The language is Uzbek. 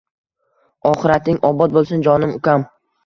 Oxirating obod bo‘lsin jonim, ukam».